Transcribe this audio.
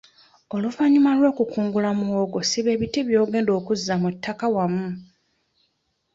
Oluvannyuma lw'okukungula muwogo siba ebiti by'ogenda okuzza mu ttaka wamu.